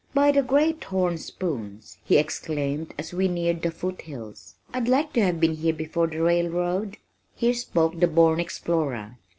"By the great Horn Spoons," he exclaimed as we neared the foot hills, "I'd like to have been here before the railroad." Here spoke the born explorer.